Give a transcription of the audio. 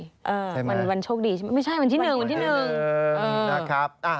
ใช่ไหมมันวันโชคดีใช่ไหมไม่ใช่มันที่หนึ่งมันที่หนึ่งเออนะครับ